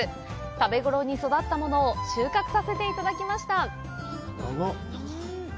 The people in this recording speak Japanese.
食べごろに育ったものを収穫させていただきました。